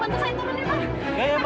bantu saya turun ya bang